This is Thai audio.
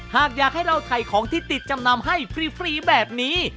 หากอยากให้เราถ่ายของที่ติดจำนำให้ฟรีแบบนี้